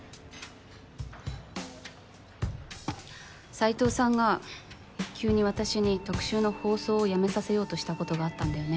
斎藤さんが急に私に特集の放送をやめさせようとしたことがあったんだよね。